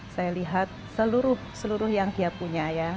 saya lihat seluruh seluruh yang dia punya ya